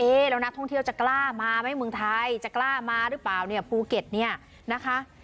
แล้วนักท่องเที่ยวจะกล้ามาไหมเมืองไทยจะกล้ามาหรือเปล่าเนี่ยภูเก็ตเนี่ยนะคะ